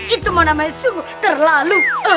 itu mau namanya sungguh terlalu